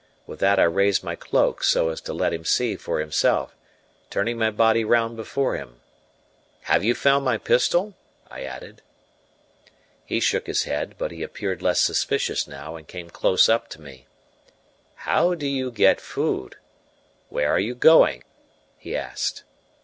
With that I raised my cloak so as to let him see for himself, turning my body round before him. "Have you found my pistol?" I added. He shook his head; but he appeared less suspicious now and came close up to me. "How do you get food? Where are you going?" he asked.